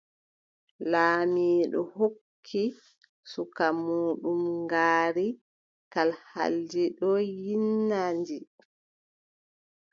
Laamɗo hokki suka muuɗum ngaari kalhaldi ɗon yiilna ndi.